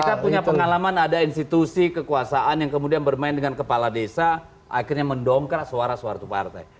kita punya pengalaman ada institusi kekuasaan yang kemudian bermain dengan kepala desa akhirnya mendongkrak suara suara itu partai